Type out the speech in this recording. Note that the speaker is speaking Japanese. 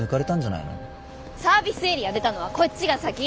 サービスエリア出たのはこっちが先。